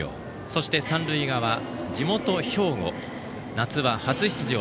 そして、三塁側地元・兵庫、夏は初出場。